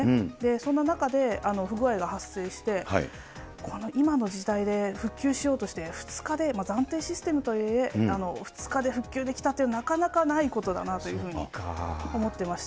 そんな中で、不具合が発生して、今の時代で復旧しようとして、２日で暫定システムとはいえ、２日で復旧できたという、なかなかないことだなというふうに思ってまして。